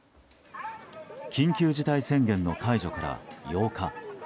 緊急事態宣言の解除から８日。